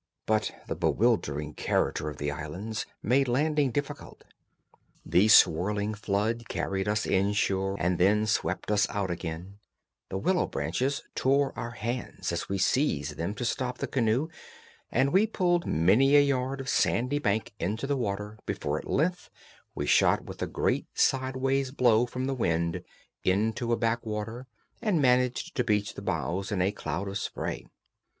But the bewildering character of the islands made landing difficult; the swirling flood carried us in shore and then swept us out again; the willow branches tore our hands as we seized them to stop the canoe, and we pulled many a yard of sandy bank into the water before at length we shot with a great sideways blow from the wind into a backwater and managed to beach the bows in a cloud of spray.